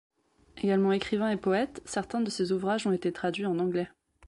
Egalement écrivain et poète, certains de ses ouvrages ont été traduits en anglais.